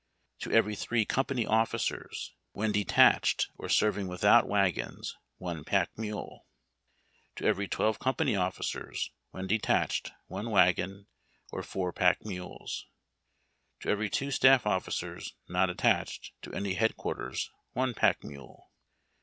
To every three company officers, when detached or serving without wagons, 1 pack mule. To every 12 company officers, when detached, 1 wagon or 4 pack mules. To every 2 staff officers not attached to any Head Quarters, 1 pack mule.